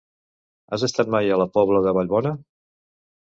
Has estat mai a la Pobla de Vallbona?